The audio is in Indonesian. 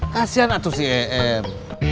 kasian atuh si em